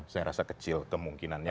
saya rasa kecil kemungkinannya